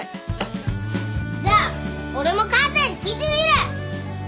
じゃあ俺も母ちゃんに聞いてみる！